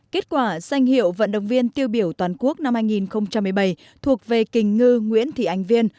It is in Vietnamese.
kết quả danh hiệu vận động viên tiêu biểu toàn quốc năm hai nghìn một mươi bảy thuộc về kình ngư nguyễn thị ánh viên